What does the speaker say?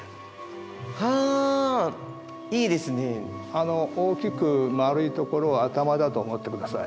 あの大きく丸いところは頭だと思ってください。